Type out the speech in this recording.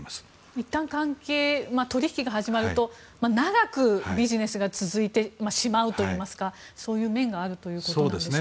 いったん、取引が始まると長くビジネスが続いてしまうというかそういう面があるということでしょうか。